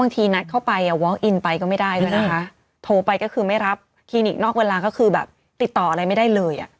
โทรไปก็คือไม่รับคลินิกนอกเวลาก็คือแบบติดต่ออะไรไม่ได้เลย